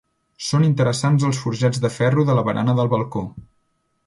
Són interessants els forjats de ferro de la barana del balcó.